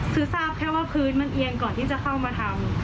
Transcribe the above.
คือทราบแค่ว่าพื้นมันเอียงก่อนที่จะเข้ามาทำ